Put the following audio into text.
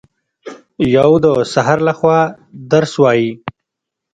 یو د سحر لخوا درس وايي